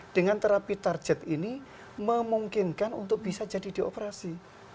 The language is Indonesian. dengan terapi target ini memungkinkan untuk bisa jadi dioperasi